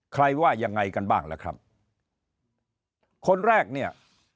ว่ายังไงกันบ้างล่ะครับคนแรกเนี่ย